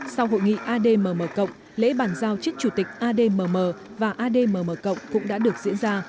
sau hội nghị admm lễ bản giao chức chủ tịch admm và admm cũng đã được diễn ra